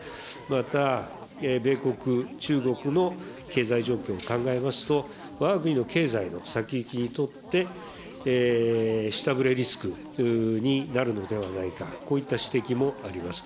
また、米国、中国の経済状況を考えますと、わが国の経済の先行きにとって、下振れリスクになるのではないか、こういった指摘もあります。